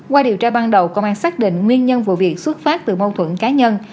qua điều tra ban đầu công an xác định nguyên nhân vụ việc xuất phát từ mâu thuẫn cá nhân